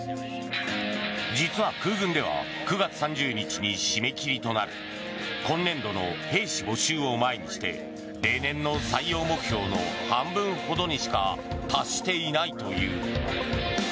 実は空軍では９月３０日に締め切りとなる今年度の兵士募集を前にして例年の採用目標の半分ほどにしか達していないという。